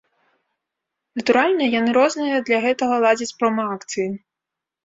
Натуральна, яны розныя для гэтага ладзяць промаакцыі.